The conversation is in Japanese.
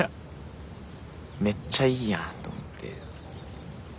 めっちゃいいやんと思って。